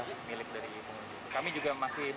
kami juga masih menyelidiki masalah ini juga namun apabila